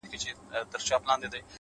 • اوس بيا د ښار په ماځيگر كي جادو؛